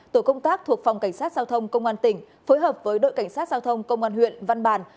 tổ công tác thuộc phòng cảnh sát giao thông công an tỉnh phối hợp với đội cảnh sát giao thông công an huyện văn bàn